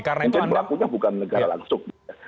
mungkin pelakunya bukan negara langsung